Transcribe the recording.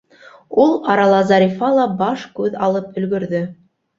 Ул арала Зарифа ла баш-күҙ алып өлгөрҙө.